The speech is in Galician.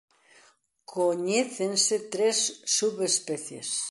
Coñécense tres subespecies.